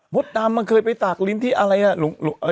ดำมันเคยไปตากลิ้นที่อะไรอ่ะ